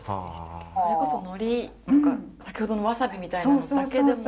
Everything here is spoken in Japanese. それこそ海苔とか先ほどのわさびみたいなのだけでも呑めたり。